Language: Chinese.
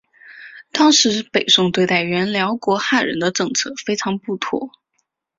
当时北宋对待原辽国汉人的政策非常不妥。